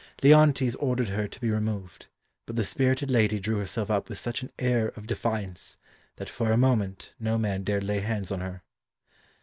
Leontes ordered her to be removed, but the spirited lady drew herself up with such an air of defiance that for a moment no man dared lay hands on her.